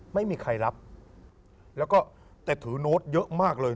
ไม่มีใครรับแล้วก็แต่ถือโน้ตเยอะมากเลย